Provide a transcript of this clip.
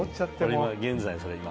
現在それ今。